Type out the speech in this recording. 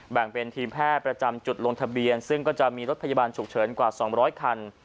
แบ่งเป็นทีมแพทย์ประจำจุดลงทะเบียนซึ่งก็จะมีรถพยาบาลฉุกเฉินกว่า๒๐๐คัน